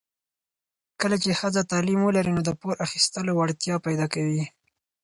کله چې ښځه تعلیم ولري، نو د پور اخیستو وړتیا پیدا کوي.